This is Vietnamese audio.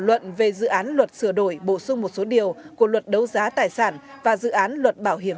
luận về dự án luật sửa đổi bổ sung một số điều của luật đấu giá tài sản và dự án luật bảo hiểm